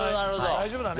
大丈夫だね。